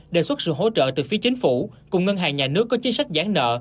đề xuất sự hỗ trợ từ phía chính phủ cùng ngân hàng nhà nước có chính sách giãn nợ